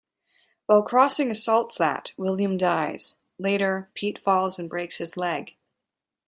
While crossing a salt flat, William dies; later, Pete falls and breaks his leg.